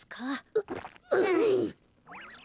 ううん。